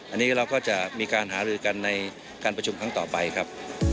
อันนี้เราก็จะมีการหารือกันในการประชุมครั้งต่อไปครับ